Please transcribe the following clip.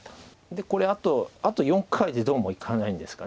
でこれあと４回でどうもいかないんですか。